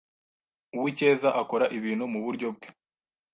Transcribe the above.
Uwicyeza akora ibintu muburyo bwe.